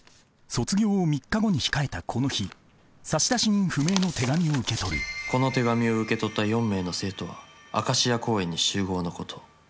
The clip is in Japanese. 卒業を３日後に控えたこの日差出人不明の手紙を受け取る「この手紙を受け取った４名の生徒はアカシア公園に集合のこと」。